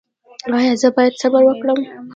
ایا زه باید صبر وکړم؟